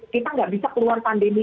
kita nggak bisa keluar pandemi